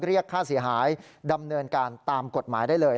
เรียกค่าเสียหายดำเนินการตามกฎหมายได้เลย